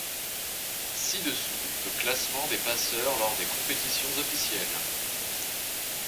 Ci-dessous, le classement des passeurs lors des compétitions officielles.